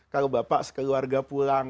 kalau bapak sekeluarga pulang